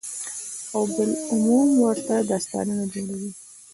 او بالعموم ورته داستانونه جوړوي،